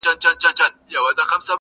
د اسرار په زړه کې راشي، جوړ ته راغلې